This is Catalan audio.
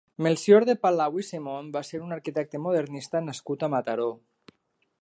Melcior de Palau i Simón va ser un arquitecte modernista nascut a Mataró.